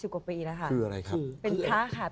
๓๐กว่าปีแล้วค่ะ